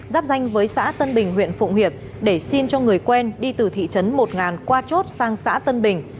giáp danh với xã tân bình huyện phụng hiệp để xin cho người quen đi từ thị trấn một qua chốt sang xã tân bình